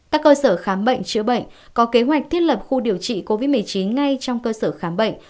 các cơ sở khám bệnh chữa bệnh có kế hoạch thiết lập khu điều trị covid một mươi chín ngay trong cơ sở khám bệnh